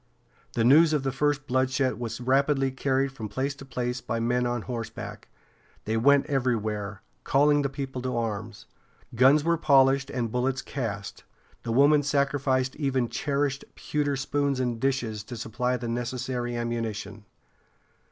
The news of the first bloodshed was rapidly carried from place to place by men on horseback. They went everywhere, calling the people to arms. Guns were polished and bullets cast, the women sacrificing even cherished pewter spoons and dishes to supply the necessary ammunition.